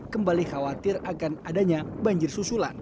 kembali khawatir akan adanya banjir susulan